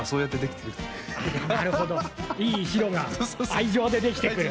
なるほどいい白は愛情で出来てくる。